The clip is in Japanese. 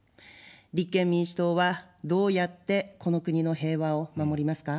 立憲民主党はどうやってこの国の平和を守りますか。